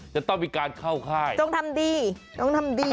จะต้องมีการเข้าค่ายต้องทำดีต้องทำดี